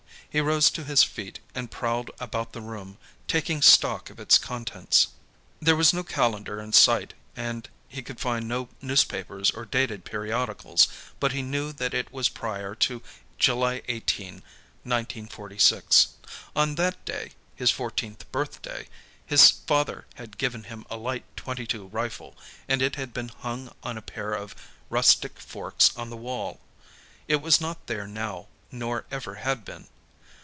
He rose to his feet and prowled about the room, taking stock of its contents. There was no calendar in sight, and he could find no newspapers or dated periodicals, but he knew that it was prior to July 18, 1946. On that day, his fourteenth birthday, his father had given him a light .22 rifle, and it had been hung on a pair of rustic forks on the wall. It was not there now, nor ever had been.